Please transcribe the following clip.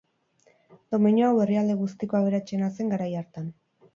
Domeinu hau herrialde guztiko aberatsena zen garai hartan.